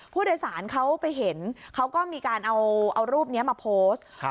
ผู้โดยสารเขาไปเห็นเขาก็มีการเอารูปนี้มาโพสต์